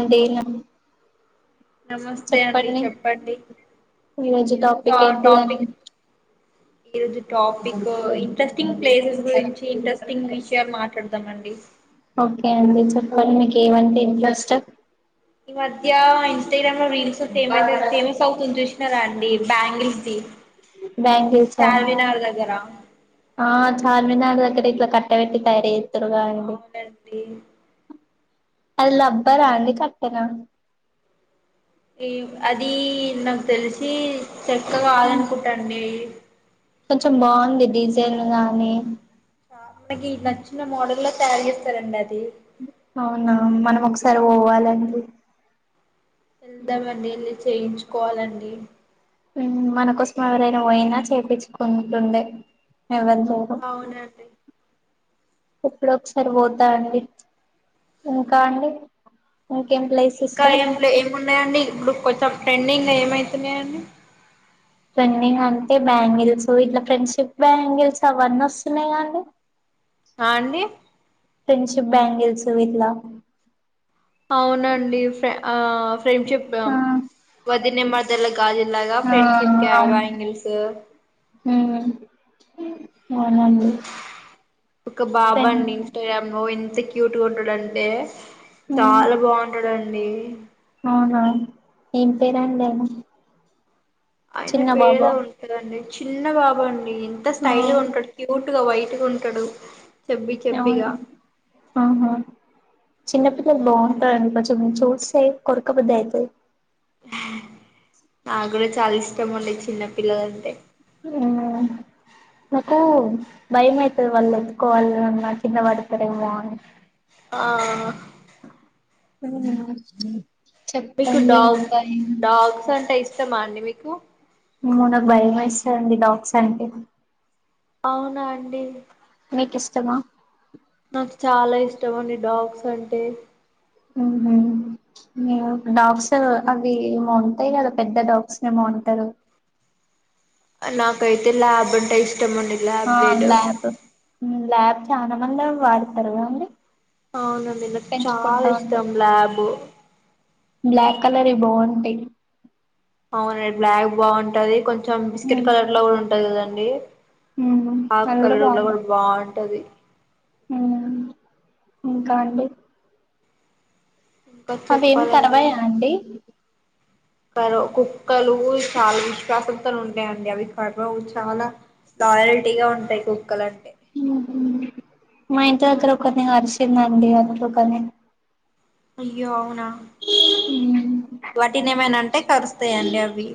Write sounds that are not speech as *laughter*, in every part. అంటేనా నమస్తే అండి చెప్పండి ఈరోజు ఇల్ంత టాపిక్ ఆ ఏంటిదండి టాపిక్ ఈ రోజు టాపిక్ ఇంట్రెస్టింగ్ ప్లేసెస్ గురించి ఇంట్రెస్టింగ్ విషయాలు మాట్లాడదామండి ఓకే అండి చెప్పాలి మీకు ఏమంటే ఇంట్రెస్ట్ ఈ మధ్య ఇ ఇన్స్టాగ్రామ్ లో రీల్స్ ఫమ ఫేమస్ అవుతుంది చూసినారా అండి బ్యాంగిల్ది బ్యాంగిల్సా చార్వినార్ దగ్గర ఆ చార్మిన దగ్గర ఇట్లా కట్ట పెట్టి తయారే అవునండి అది లబ్బరా అండి కట్టనా ఈ అది నాకు తెలిసి చక్కగాదు అనుకుంట అండి కొంచెం బాగుంది డీజైల్ గానీ మనకి నచ్చిన మోడల్లో తయారు చేస్తారండి అది సర్ పోవాలండి ఎంత అబ్బా డైలీ చేయించుకోవాలండి ఉమ్ మన కోసం ఎవరైనా పోయినా చేపిచుకుంటుండే ఎవనికి ఎవరో అవునండి ఇప్పుడో ఒకసారి పోతాండి ఇంకా అండి ఇంకేం ప్లేస్ ఇంకా ఏం ఇష్టం ఏమున్నాయండి ఇప్పుడు కొత్త ట్రెండింగ్లో ఏమైతున్నాయండి ట్రెండింగ్ అంటే బ్యాంగిల్స్ ఇట్లా ఫ్రెండ్షిప్ బ్యాంగిల్స్ అవన్నీ వస్తున్నాయి కాండి ఆ అండి ఫ్రెండ్షిప్ బ్యాంగిల్స్ ఇట్లా అవునండి ఫ ఆ ఫ్రెండ్షిప్ ఆ వదిన మరదలా గజ్జుల్లగ ఆ ఫ్రెండ్షిప్ క్యా అవును బంగ్లేసు అ అవునండి ఒక బాబ్ ఫ్రెండ్ అండి ఇన్స్టాగ్రామ్ లో ఎన్ ఎంత క్యూట్ ఉంటాడుంటే ఉమ్ చాలా బాగుంటాడుండి అవునా ఏం పేర్ అండి ఆయనది అయిన పేరు ఏమో ఉంటది అండి చిన్న బాబు అన్ నెన్ ఇంత ఆ స్టైల్ గా ఉంటాడు క్యూట్ గా వైట్ గా ఉంటాడు చెబ్బి అవున్ చెబ్బిగా అవున్ అవున్ చిన్నపిల్లలు అవునండి బాగుంటారండి కొంచెం చెస్ తే కోరుకబుధి అయితది అ నాక్ కూడా చాలిస్ *unintelligible* చిన్నపిల్లలంటే ఉమ్ నాకు భయం అయితది వాళ్ళు ఎతుకోవాలి అన్నా కింద పడతారూ ఏమో అని ఆ ఉమ్ ఉమ్ జస్ట్ డాగ్ డాగ్స్ అంటే ఇష్టమా అండి మీక్? ఓ మాక్ ఆది బయమేస్తాది అండి డాగ్స్ అంటే అవునా అండి మీక్ ఇష్టమా? నాక్ చాలా ఇష్టం అండి డాగ్స్ అంటే ఉహ్ ఉమ్ *unintelligible* డాగ్స్ అవి ఏమో ఉంటాయ్ కదా పెద్ద డాగ్స్ ఏమో అంటారు? అవ్వ తెత్ల్యాబ్ అంటే ఇష్టం అండి ల్యాబ్ ఆ బ్రీడ్ ల్యాబ్ ల్యాబ్ చాలా మందే అదే వాడతార్ కదా అండి? అవునండి నాకు చాలా ఇష్టం లాబు కలర్ ఇ బాగుంటాయ్ అవును బ్లాక్ బాగుంటది కొంచ్ చం బిస్కెట్ కలర్ లో కూడా ఉంటది కదండి, ఊహూ ఆ అవి కలర్ లో కూడా బాగుంన్ అది అవున్ అవునుండి ఇంకా అండి ఇంకా అవేం చెప్పాలండి కరవయా అండి కరో కుక్కలు చాలా విశ్వాసంతో ఉన్ *unintelligible* అవి *unintelligible* చాలా లోయలిటీగా ఉంటాయ్ కుక్కలు అంటే ఊహూ మా కరిసిందండి వెనుక ఒకరిని అయ్యో వాటిని ఏమైనా అంటే కరుస్తాయండి అవి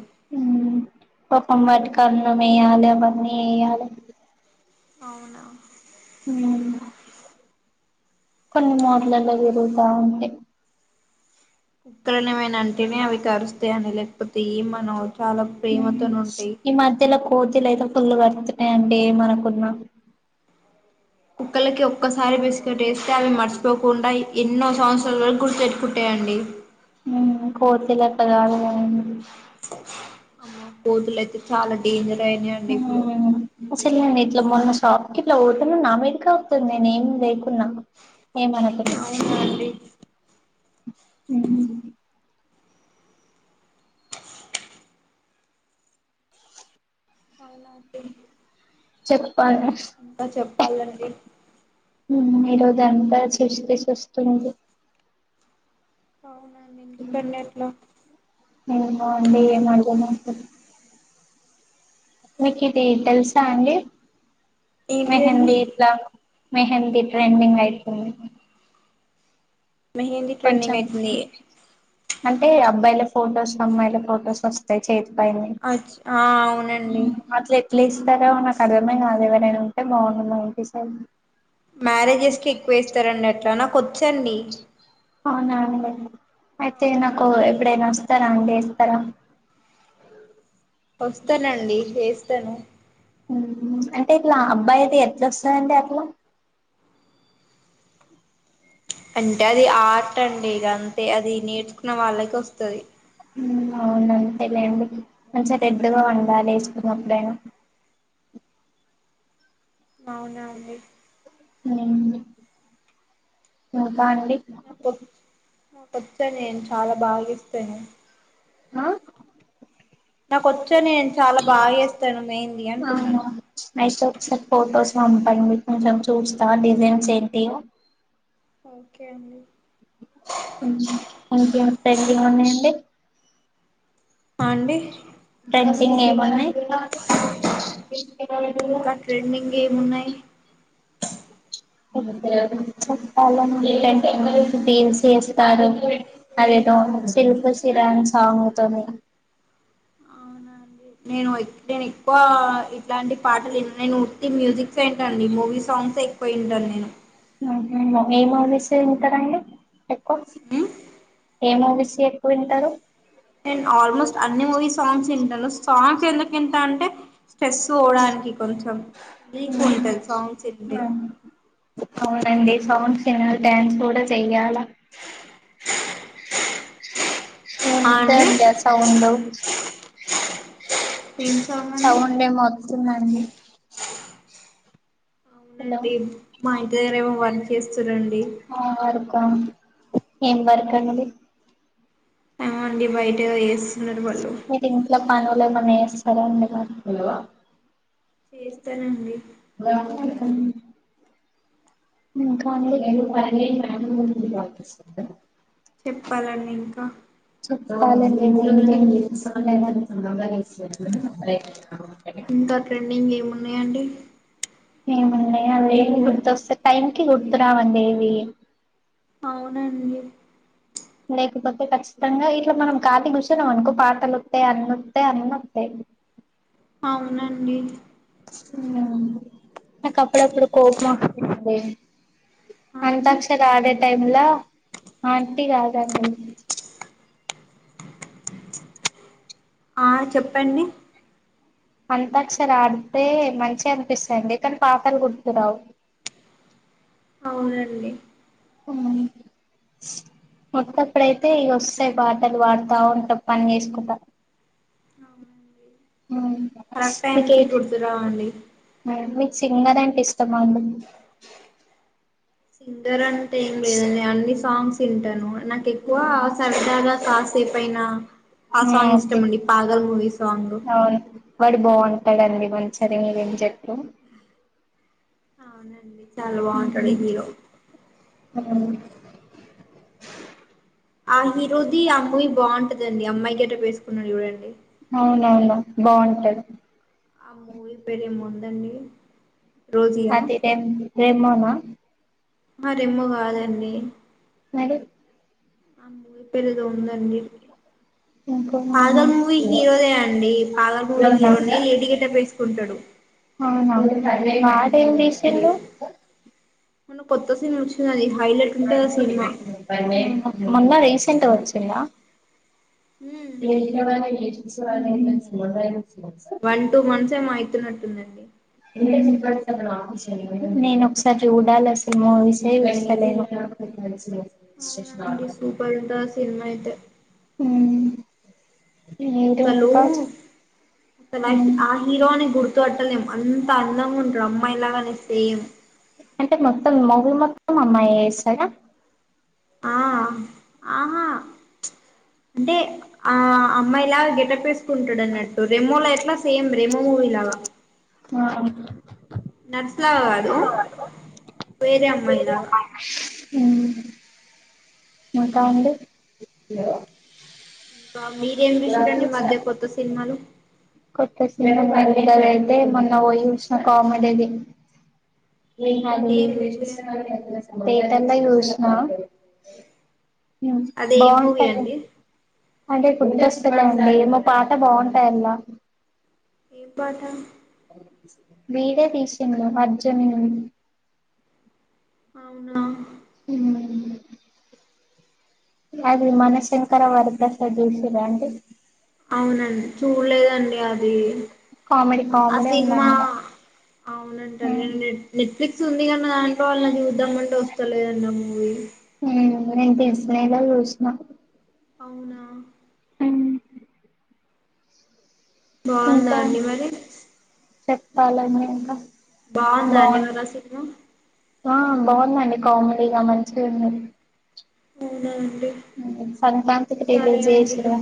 కర్ణమేయాలే అవన్ని ఏ యాలే అవునా ఉమ్ కొన్ని మోట్లల్లో పెరుగుతా ఉంది కుక్కలని ఏమైనా అంటేనే అవి కరుస్తాయని లేకపోతే ఏ మనవ్ చాలా ప్రేమతోనుంటాయ్ కోతులయితే పుల్లు పడు తున్నాాయన్డి మనకున్న కుక్కలకి ఒక్కసారి బిస్కెట్ వేస్తే అవి మర్చిపోకుండా ఎన్నో సంవత్సరాల వరకు గుర్తు పె ట్టుకుట్టాయండి ఉమ్ ఉమ్ కోతులట్ల కాదు కదండి అమ్మో కోతులయితే చాలా డేంజర్ డేంజర్ అండి ఇప్పుడు అసలు నేను ఇట్లా మొన్న షాప్ కి ఇట్లా పోతున్నా నా మీదకి అవుతుంది నేను ఏం లేకున్నా ఏమనకున్నా అవునా అండి ఉంహు అవునా అన్ డి చెప్ పనీ పాలండి ఉమ్ ఈ రోజంతా సుస్తీ సుస్తీ ఉంది అవునా ఏమో అండి ఏం అర్ధం అయితలే మీకు ఇది తెలుసా అండి ఏంటిదండి మెహందీ ఇట్లా మెహిందీ ట్రెండింగ్ అయితుంది మెహందీ ట్రెండింగ్ కొంచెం అయితుంది అంటే అబ్బాయిల ఫోటోస్ అమ్మాయి లా ఫొటోస్ వస్తాయి చేతి ఆచ్ ఆ అవునన్ ఉమ్ అట్లెట్ ట్లేస్తారో ఏమో నాకు అర్థమే కాదు ఎవరైనా ఉంటే బాగుండు మా ఇంటి సైడ్ మ్యారేజెస్ కి ఎక్కువ వేస్తారండి అట్లా నాక్ వచ్చండి. అవునా అండి అయితే నాకు ఎప్పుడైనా వస్తారా అండి త్తర వస్తనండి వేస్తను అంటే ఇట్లా అబ్బాయితే ఎట్లోస్తదండి అట్లా అంట అది ఆర్ట్ అండి ఇగ అంతె అది నేర్చుకున్న వాళ్ళక్ ఒస్తది అవును అంతేలేండి మంచ డెడ్ వండాలి వేసుకున్నప్పుడైనా అవునండి కాండి నాకొ నాకొచ్చ నేను చాలా బాగేస్తాను హా నాకొచ్చ నేను చాలా బాగా ఏస్తాను మెహంది అంటున్నను పండి మీ కొంచెం చూస్తా డిజైన్స్ ఏంటియొ ఓకే అండి ఇంకేం పెండింగ్ ఉన్నాయంండి అ అండి డెన్సింగ్ ఏమున్నయ్ ఇంకా ట్రెండింగ్ ఏమున్నాయి చెప్పాలండి రీల్స్ చేస్తారు అదేదో సిల్క్ సీర సాంగ్ తోనీ అవునా అండి నేను నేను ఎక్కువా ఇట్లాంటి పాటల్ నేను ఉట్టి మ్యూజిక్ టండి మూవీ సాంగ్స్ ఎక్కువ వింటాన్ నేను ఏమూ విష్ ఇంటర్ అండి ఎక్కువ ఏమూవిస్ యి ఎక్కువ ఇంటరు నేన్ ఆల్మోస్ట్ అన్ని మూవీ సాంగ్స్ ఇంటాను సాంగ్స్ ఎందుక్ ఇంట అంటే స్ట్రెస్ వోవడానికి కొంచెం లీక్ ఉంటది సాంగ్స్ ఇంటె అవునండి సాంగ్స్ ఇనాల్ డ్యాన్స్ కూడా చెయ్యాల ఆ అండి ఎండి ఆ సౌండ్ ఏంసా సౌండేమొత్తుందండి హలో నండి మా ఇంటి దగ్గరేమో వర్ ఎస్ రండి అా ఏం వర్కండి ఎడి బయిట వస్ ఏంగ్ పని మ సర అ చేస్తానండి కా అ ఎ ప మ్యాడం చెప్పాలండి ఇంకా ఎ ఇంకాట రెండింగ్ ఏమ అన్నడి ఏమండడి అది ఏం గుత వస్త టైమ్ కి గుర్తురావందేవి అవునండి లేకపోతే ఖచ్చితంగా ఇట్లా మనం కాత కూర్చాం అనుకో పాటలు వస్తాయి అన్నస్తాయి అన్న వస్తాయి అవునండి ఉ నాకు అప్పుడప్పుడు కోపంది ఆ అండి అంతాక్షర ఆడే టైమ్ లో ఆంటీ రాదండి ఆ చెప్పండి అంతాసర ఆడితే మంచి అనిపిస్తాడి కానీ పాతలు గుర్తురావు అవునండి మత్తప్పుడైతే ఇ వస్తాయి బాటలు వాడుతా ఉంటా పని చేసుకుంటా అవునండి మ్మ్ స్ మీకు గుర్తురావండి సింగర్ అంటే ఇష్టమా అండి మీకు *inaudible* సింగర్ అంటే ఏం లేదండి అన్ని సాంగ్స్ వింటను నాకు ఎక్కువ సరదాగా కాసేపుయిన ఆ సాంగ్ ఓకే ఇష్టం అండి పాగల్ మూవీ సాంగ్ అవును వాడు బాగుంటాడండి మంచి సర నువ్వేం చెట్టు *unintelligible* అవునండి చాలా బాగుంటడు ఈ హీరో ఆ ఆ హిరో ది ఆ మూవీ ఆ బాగుంటదండి అమ్మాయి గెటప్ వేసుకుంట చూడండి అవునవును బాగుంటది ఆ మూవీ పెరే మో ఉందండి రోజీయా అది రె రేమో నా మరేమో కాదండి నేను అమ్మూ ఇ పేరోదో ఉందండి ఇంకో పాగల్ మూవీ హీరోనేే అండి పాగల్ మూవీ హీరోనే లేడి గెటప్ వేసు కుంటడు అవునవును ఏం తీసిండు మన కొత్ మల్ల వేసి రీసెంట్గోచ్చింద హ్మ్ రీసెంట్ గానే ఏసిన sorry friends what are you one two months ఏమో అయి తున్నట్టుందండి నేను ఒకసారి చూడాలా ఆ సినిమా మూవీసే వెళ్లలేను అండి సూపర్ ఉంటది ఆ సినిమా ఐతే మ్మ్ అసలు అసలు ఆ ఆ హీరోని గుర్తు పట్టలేం అంత అందంగుంటడు అమ్మాయిలాగానే సేమ్ ము మొత్తం అమ్మాయే ఏస్తడా ఆ ఆహా ప్చ్ అంటే ఆ అమ్మాయిలా గెటప్ వేసుకుంటడు అన్నట్టు రెమోలా ఎట్లా సేమ్ రెమో మూవీ లాగా మస్సా కాదు వేరే అమ్మాయిలాగా మ్మ్ మంట ఉండె యో కా మీరేం చూసిండ్రండి ఈ మధ్య కొత్త సినిమాలు కొత్త సినిమా అయితే మొన్న పోయ్యోచ్చిన కామిడి ది విగ్గాని ఏ రిలేషన్స్ మూవీ తేటర్లో చూష్నా మ్మ్ అది ఏం మూవీ బాగుంటదే అండి అంటే గుర్తొస్తలే అండి ఏమో పాట బాగుంటాయల్లా ఏ పాట వీడియో తీసిండు అర్జున్ అవునా అది మన శంకర వర ప్రసాద్ చూసిర్రా అండి అవునండి చూడలేదండి అది కామెడీ ఆ కామెడీ సినిమా ఉందంట అవునంట నె నెట్ఫ్లిక్స్ ఉంది కనీ దాంట్లో వాళ్ళ ను ద్దమ్మటె వస్తలే అన్న మూవీ నేను తెలుసినలా రూష్మా అవునా బాగుందా అండి మరి చెప్పాలాండిఇక బాగుందా అండి మరి ఆ సినిమా ఆ బాగుందండి కామెడీగా మంచిగా ఉది సంక్రాంతికి *unintelligible* సరే రిలీజ్ అండి చేసిర్రు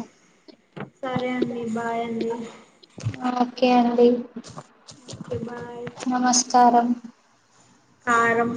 సరే అండి బాయ్ అండి కే అండి ఓకే బాయ్ నమస్కారం కారం